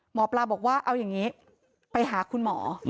หมอปลาบอกว่าเอาอย่างนี้ไปหาคุณหมอ